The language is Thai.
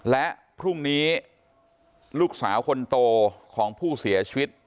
และพรุ่งนี้ลูกสาวคนโตของผู้เสียชีวิต